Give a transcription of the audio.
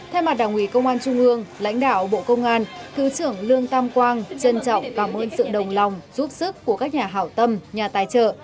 thay mặt đảng ủy công an trung ương lãnh đạo bộ công an thứ trưởng lương tam quang trân trọng cảm ơn sự đồng lòng giúp sức của các nhà hảo tâm nhà tài trợ